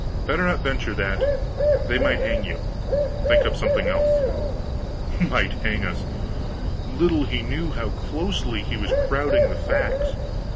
Better not venture that. They might hang you. Think up something else." Might hang us! Little he knew how closely he was crowding the facts.